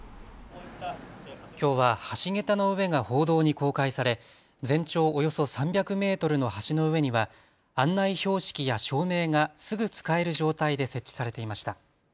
きょうは橋桁の上が報道に公開され全長およそ３００メートルの橋の上には案内標識や照明がすぐ使える状態で設置されていました。